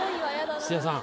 土屋さん。